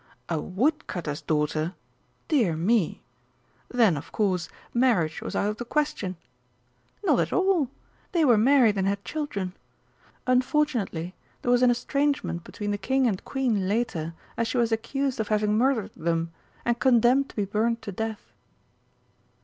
"A woodcutter's daughter? Dear me! Then, of course, marriage was out of the question." "Not at all! they were married and had children. Unfortunately there was an estrangement between the King and Queen later as she was accused of having murdered them, and condemned to be burnt to death."